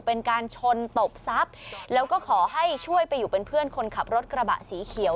เป็นการชนตบทรัพย์แล้วก็ขอให้ช่วยไปอยู่เป็นเพื่อนคนขับรถกระบะสีเขียว